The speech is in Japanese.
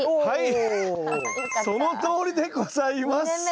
はいそのとおりでございます！